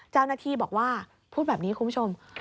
เจ้าหน้าที่บอกว่าพูดแบบนี้คุณผู้ชม